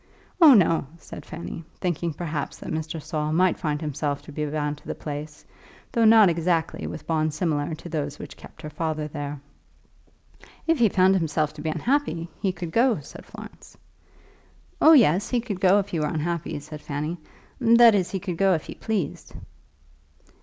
"Oh, no," said Fanny, thinking perhaps that Mr. Saul might find himself to be bound to the place, though not exactly with bonds similar to those which kept her father there. "If he found himself to be unhappy, he could go," said Florence. "Oh, yes; he could go if he were unhappy," said Fanny. "That is, he could go if he pleased."